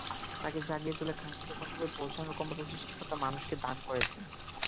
তাকে জাগিয়ে তুলে কাঙ্ক্ষিত গন্তব্যে পৌঁছানোর ক্ষমতা সৃষ্টিকর্তা মানুষকে দান করেছেন।